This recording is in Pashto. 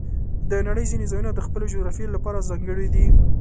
د نړۍ ځینې ځایونه د خپلې جغرافیې لپاره ځانګړي دي.